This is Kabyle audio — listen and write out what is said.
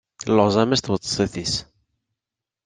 Telleɣẓam-as tweṭzit-is.